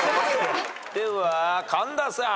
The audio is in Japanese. では神田さん。